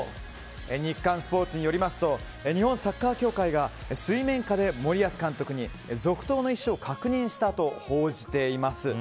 日刊スポーツによりますと日本サッカー協会が水面下で森保監督に続投の意思を確認したと報じています。